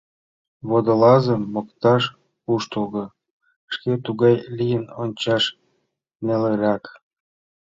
Водолазым мокташ куштылго, шке тугай лийын ончаш нелырак.